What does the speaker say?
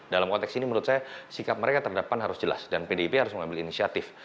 dalam konteks ini menurut saya sikap mereka terdepan harus jelas dan pdip harus mengambil inisiatif